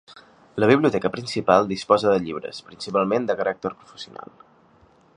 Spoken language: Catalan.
La Biblioteca principal disposa de llibres, principalment de caràcter professional.